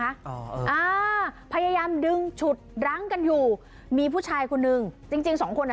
อ่าอ่าพยายามดึงฉุดรั้งกันอยู่มีผู้ชายคนนึงจริงจริงสองคนอ่ะ